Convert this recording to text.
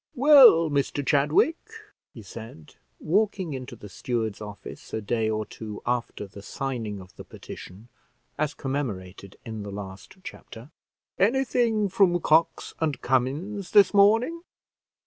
"Well, Mr Chadwick," he said, walking into the steward's office a day or two after the signing of the petition as commemorated in the last chapter: "anything from Cox and Cummins this morning?"